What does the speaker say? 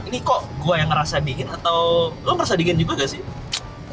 ini kok gue yang ngerasa dingin atau lo merasa dingin juga gak sih